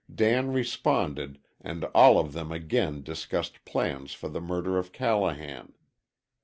Dan responded, and all of them again discussed plans for the murder of Callahan.